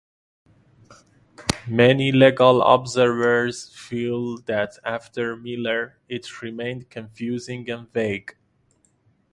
Many legal observers feel that after "Miller", it remained confusing and vague.